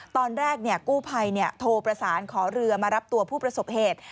ตอนแรกกู้ภัยโทรประสานขอเรือมารับตัวผู้ประสบเหตุ